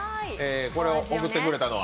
これを送ってくれたのは？